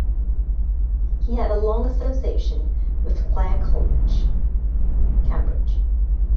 He had a long association with Clare College, Cambridge.